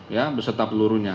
ya beserta pelurunya